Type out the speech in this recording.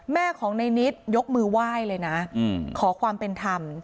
แม่ของในนิดยกมือไหว้เลยนะขอความเป็นธรรม